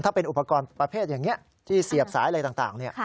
ถ้าเป็นอุปกรณ์ประเภทอย่างนี้ที่เสียบสายอะไรต่าง